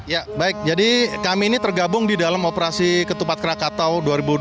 ya baik jadi kami ini tergabung di dalam operasi ketupat krakatau dua ribu dua puluh